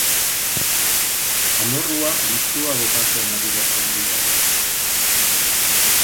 Amorrua listua botatzen adierazten du haurrak.